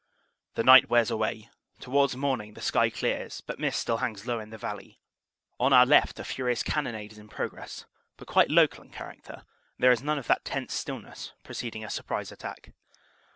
The night wears away. Towards morning the sky clears but mist still hangs low in the valley. On our left a furious cannonade is in progress, but quite local in character; and there is none of that tense stillness preceding a surprise attack.